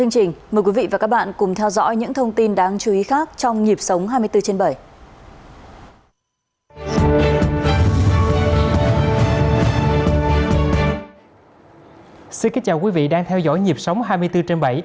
xin kính chào quý vị đang theo dõi nhịp sống hai mươi bốn trên bảy